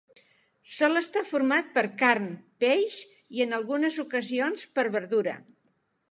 Sol estar format per carn, peix i en algunes ocasions per verdura.